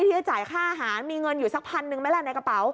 ที่จะจ่ายค่าอาหารมีเงินอยู่สักพันหนึ่งไหมล่ะในกระเป๋า